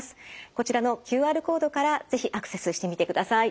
こちらのＱＲコードから是非アクセスしてみてください。